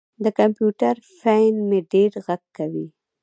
د کمپیوټر فین مې ډېر غږ کوي.